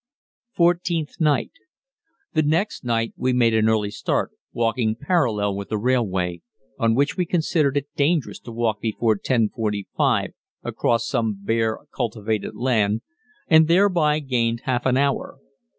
Fourteenth Night. The next night we made an early start, walking parallel with the railway, on which we considered it dangerous to walk before 10.45, across some bare cultivated land, and thereby gained half an hour.